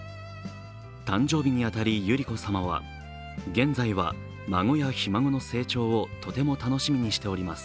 誕生日に当たり、百合子さまは現在は孫やひ孫の成長をとても楽しみにしております